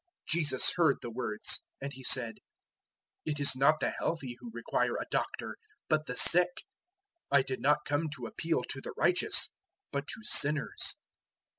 002:017 Jesus heard the words, and He said, "It is not the healthy who require a doctor, but the sick: I did not come to appeal to the righteous, but to sinners."